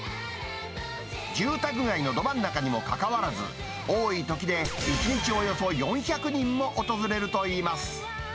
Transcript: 住宅街のど真ん中にもかかわらず、多いときで１日およそ４００人も訪れるといいます。